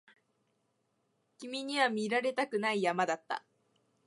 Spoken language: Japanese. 君には見られたくない山だった